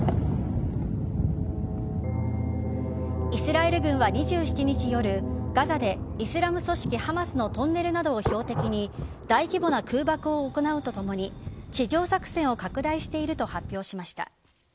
イスラエル軍は２７日夜ガザでイスラム組織・ハマスのトンネルなどを標的に大規模な空爆を行うとともに地上作戦を拡大していると発表しました。